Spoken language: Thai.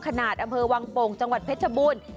ขนาดอำเภอวังโปงจังหวัดเพชรบุญ